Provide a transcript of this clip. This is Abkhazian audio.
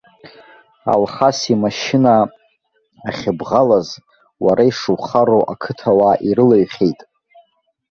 Алхас имашьына ахьыбӷалаз уара ишухароу ақыҭауаа ирылаҩхьеит.